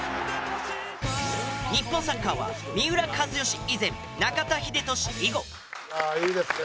日本サッカーは三浦知良以前中田英寿以後。ああいいですね。